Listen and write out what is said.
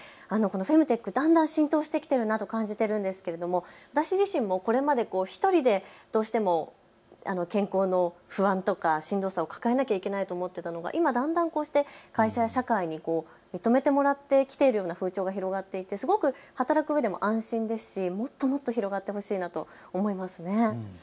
フェムテック、だんだん浸透してきているのを感じているのですが私自身もこれまで１人でどうしても健康の不安とか、しんどさを抱えなければいけないと思っていたのがだんだん会社や社会に認めてもらって生きているような風潮が広がってきていて働くうえでも安心ですし、もっと広がってほしいなと思いますね。